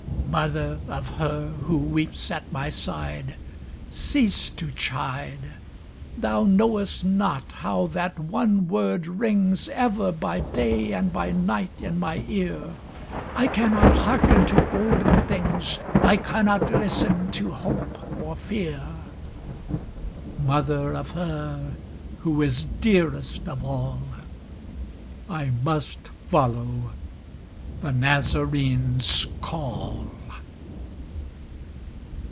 Mother of her who weeps at my side Cease to chide! Thou knowest not how that one word rings Ever by day and by night in my ear, I cannot hearken to olden things I cannot listen to hope or fear; Mother of her who is dearest of all, I must follow the Nazarene's call!